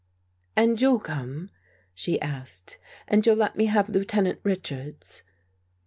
"And you'll come?" she asked. "And you'll let me have Lieutenant Richards?"